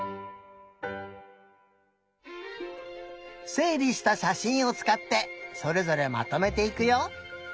せいりしたしゃしんをつかってそれぞれまとめていくよ。